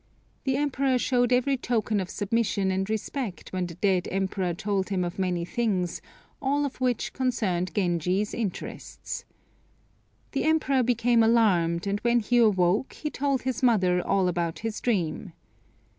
The Emperor showed every token of submission and respect when the dead Emperor told him of many things, all of which concerned Genji's interests. The Emperor became alarmed, and when he awoke he told his mother all about his dream.